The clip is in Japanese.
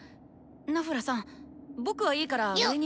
ナフラさん僕はいいから上に。